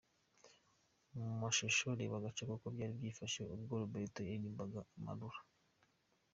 Mu mashusho reba agace k'uko byari byifashe ubwo Roberto yaririmbaga 'Amarulah'.